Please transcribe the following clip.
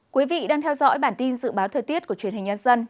quý vị đang theo dõi bản tin dự báo thời tiết của truyền hình nhân dân